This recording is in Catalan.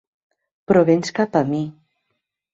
Però vens cap a mi.